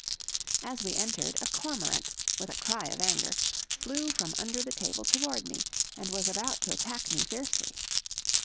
"As we entered, a cormorant, with a cry of anger, flew from under the table toward me, and was about to attack me fiercely.